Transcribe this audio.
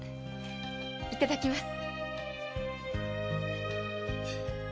いただきます。